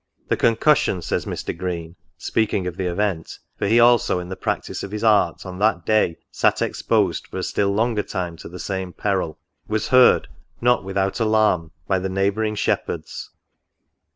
" The concussion," says Mr. Green, speaking of the event, (for he also, in the practice of his art, on that day sat exposed for a still longer time to the same peril) " was heard, not without alarm, by the neighbouring shep herds."